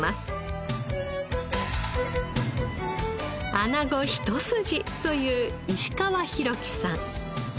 アナゴ一筋という石川博樹さん。